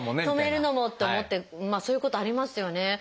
「止めるのも」って思ってまあそういうことありますよね。